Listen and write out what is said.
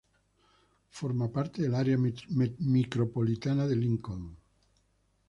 Forma parte del área micropolitana de Lincoln.